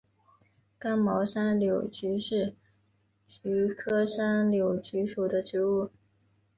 刚毛山柳菊是菊科山柳菊属的植物。